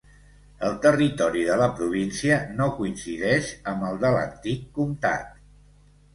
El territori de la província no coincideix amb el de l'antic comtat.